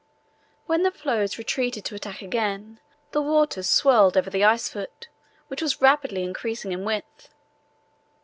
When the floes retreated to attack again the water swirled over the ice foot, which was rapidly increasing in width.